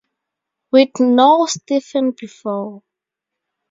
We'd known Stephen before.